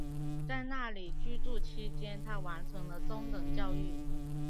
在那里居住期间她完成了中等教育。